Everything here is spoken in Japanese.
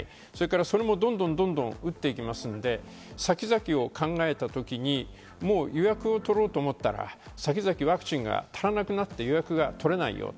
それもどんどん打っていきますので、先々を考えた時に、予約を取ろうと思ったら先々ワクチンが足りなくなって、予約は取れない。